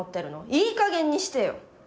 いいかげんにしてよ！